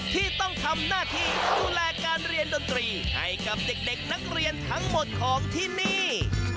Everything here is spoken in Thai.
ที่ต้องทำหน้าที่ดูแลการเรียนดนตรีให้กับเด็กนักเรียนทั้งหมดของที่นี่